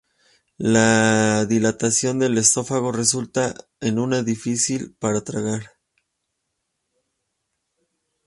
La dilatación del esófago resulta en una dificultad para tragar.